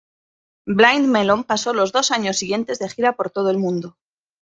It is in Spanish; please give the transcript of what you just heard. Blind Melon pasó los dos años siguientes de gira por todo el mundo.